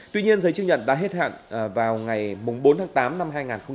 tuy nhiên giấy chứng nhận đã hết hạn vào ngày bốn tháng tám năm hai nghìn hai mươi